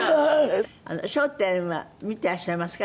『笑点』は見てらっしゃいますか？